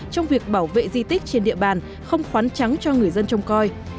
trong việc bảo vệ di tích trên địa bàn không khoán trắng cho người dân trông coi